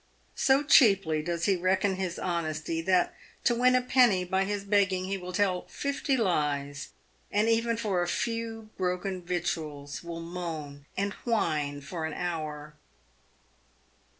So cheaply does he reckon his honesty, that to win a penny by his begging he will tell fifty lies, and even for a few broken victuals will moan and whine for an hour.